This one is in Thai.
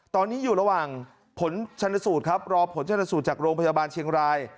ตอนนี้อยู่ระหว่างผลชนสูตรครับรอผลชนสูตรจากโรงพยาบาลเชียงราย